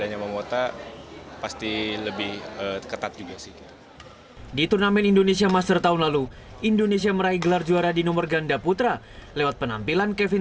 ya pasti meskipun ada ataupun tidak